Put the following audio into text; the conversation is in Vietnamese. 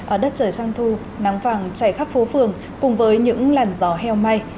ở đất trời sang thu nắng vàng chảy khắp phố phường cùng với những làn gió heo may